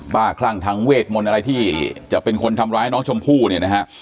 คลั่งทางเวทมนต์อะไรที่จะเป็นคนทำร้ายน้องชมพู่เนี่ยนะฮะ